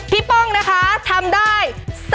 ป้องนะคะทำได้